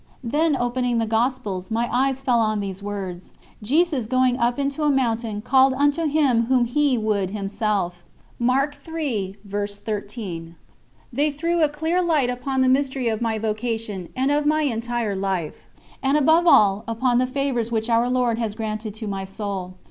Then opening the Gospels, my eyes fell on these words: "Jesus, going up into a mountain, called unto Him whom He would Himself." They threw a clear light upon the mystery of my vocation and of my entire life, and above all upon the favours which Our Lord has granted to my soul.